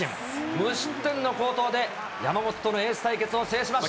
無失点の好投で、山本とのエース対決を制しました。